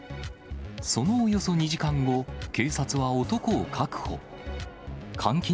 そのおよそ２時間後、警察は男を確保。